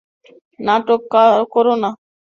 নাটক কোরো না।